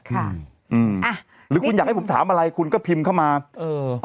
ค่ะอืมอ่ะหรือคุณอยากให้ผมถามอะไรคุณก็พิมพ์เข้ามาเออ